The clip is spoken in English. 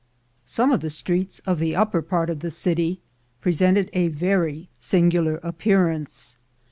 Some of the streets in the upper part of the city presented a very singular appearance.